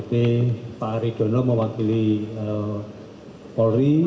kemudian pak aridono mewakili polri